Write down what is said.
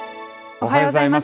おはようございます。